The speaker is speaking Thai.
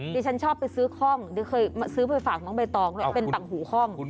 ดิฉันชอบไปซื้อคล่องเดี๋ยวเคยซื้อไปฝากน้องใบตองด้วย